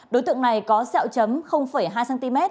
đối tượng này có xẹo chấm hai cm